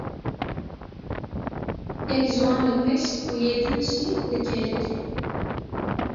Yek ji wan li pêş û yê din jî li kêlekê.